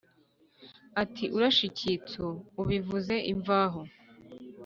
Ati: "Urashe icyitso ubivuze imvaho!